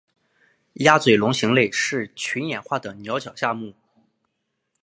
鸭嘴龙形类是群衍化的鸟脚下目。